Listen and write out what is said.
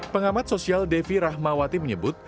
pengamat sosial devi rahmawati menyebut